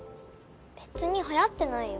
別にはやってないよ。